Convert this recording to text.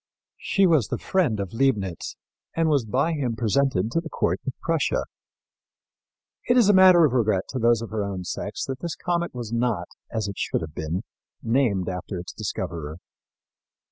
She was the friend of Leibnitz, and was by him presented to the court of Prussia. It is a matter of regret to those of her own sex that this comet was not, as it should have been, named after its discoverer.